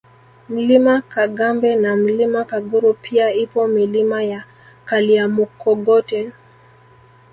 Mlima Kagambe na Mlima Kaguru pia ipo Milima ya Kalyamukogote